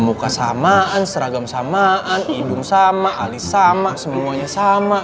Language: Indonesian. muka samaan seragam samaan hidung sama alis sama semuanya sama